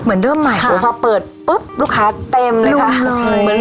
เหมือนเริ่มใหม่ค่ะพอเปิดปุ๊บลูกค้าเต็มเลยค่ะลุงเลย